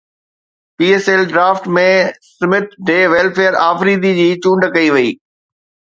P S L draft ۾ Smith de Villiers Afridi جي چونڊ ڪئي وئي